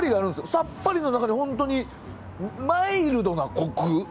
さっぱりの中に、本当にマイルドなコク。